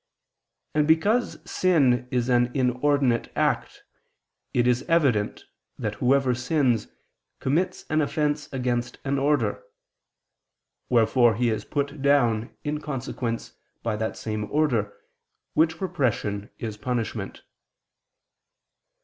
And because sin is an inordinate act, it is evident that whoever sins, commits an offense against an order: wherefore he is put down, in consequence, by that same order, which repression is punishment.